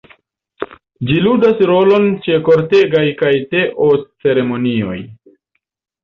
Ĝi ludas rolon ĉe kortegaj kaj teo-ceremonioj.